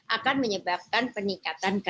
akan menyebabkan peningkatan kadar gula